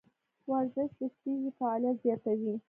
ورزش د سږي فعالیت زیاتوي.